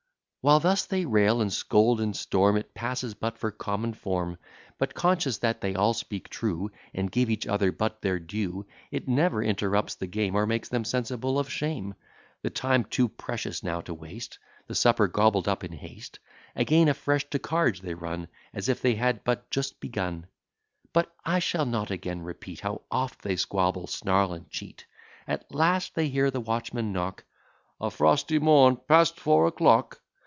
While thus they rail, and scold, and storm, It passes but for common form: But, conscious that they all speak true, And give each other but their due, It never interrupts the game, Or makes them sensible of shame. The time too precious now to waste, The supper gobbled up in haste; Again afresh to cards they run, As if they had but just begun. But I shall not again repeat, How oft they squabble, snarl, and cheat. At last they hear the watchman knock, "A frosty morn past four o'clock."